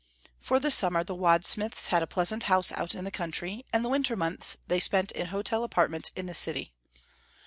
For the summer, the Wadsmiths had a pleasant house out in the country, and the winter months they spent in hotel apartments in the city.